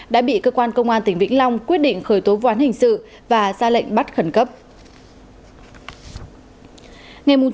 đã bị cơ quan công an tỉnh vĩnh long quyết định khởi tố vụ án hình sự và ra lệnh bắt khẩn cấp